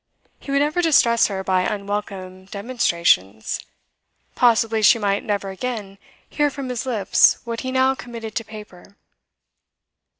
He would never distress her by unwelcome demonstrations; possibly she might never again hear from his lips what he now committed to paper.